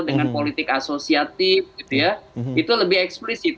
dengan politik asosiatif gitu ya itu lebih eksplisit